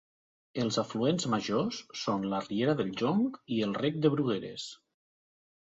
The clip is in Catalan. Els afluents majors són la riera del Jonc i el rec de Brugueres.